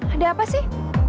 ada apa sih